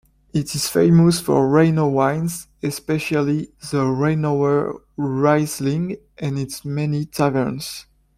It is famous for Rheingau wines, especially the "Rheingauer Riesling," and its many taverns.